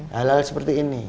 hal hal seperti ini